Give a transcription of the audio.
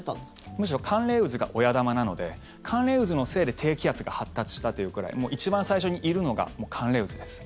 むしろ寒冷渦が親玉なので寒冷渦のせいで低気圧が発達したというくらい一番最初にいるのが寒冷渦です。